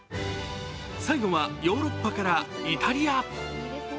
最後はヨーロッパからイタリア。